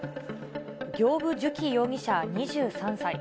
行歩寿希容疑者２３歳。